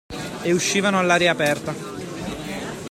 E uscivano all'aria aperta.